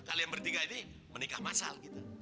kalian bertiga ini menikah masal gitu